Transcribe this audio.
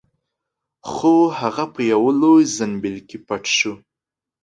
خو هغه په یوه لوی زنبیل کې پټ شو.